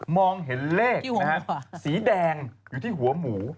มองเห็นเลขนะฮะสีแดงอยู่ที่หัวหมู